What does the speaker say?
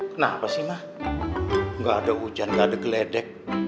kenapa sih mah nggak ada hujan nggak ada geledek